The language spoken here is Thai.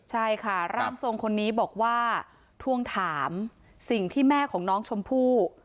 ใช่ค่ะร่างทรงคนนี้บอกว่าทวงถามสิ่งที่แม่ของน้องชมพู่